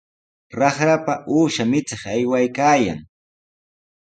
Raqrapa uusha michiq aywaykaayan.